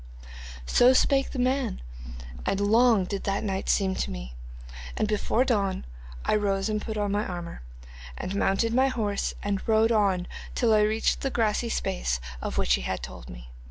'So spake the man, and long did that night seem to me, and before dawn I rose and put on my armour, and mounted my horse and rode on till I reached the grassy space of which he had told me.